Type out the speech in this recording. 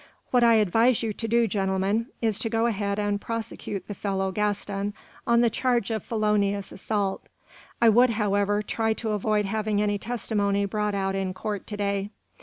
"What I advise you to do, gentlemen, is to go ahead and prosecute the fellow Gaston on the charge of felonious assault. I would, however, try to avoid having any testimony brought out in court to day.